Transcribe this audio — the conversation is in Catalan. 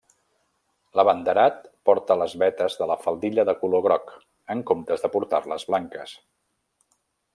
L'abanderat porta les vetes de la faldilla de color groc, en comptes de portar-les blanques.